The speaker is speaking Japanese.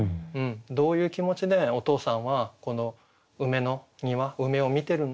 どういう気持ちでお父さんはこの梅の庭梅を観てるのかなと。